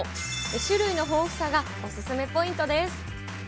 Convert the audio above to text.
種類の豊富さがお勧めポイントです。